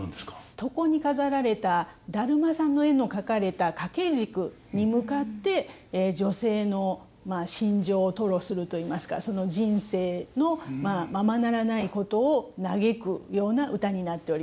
床に飾られた達磨さんの絵の描かれた掛け軸に向かって女性の真情を吐露するといいますかその人生のままならないことを嘆くような唄になっております。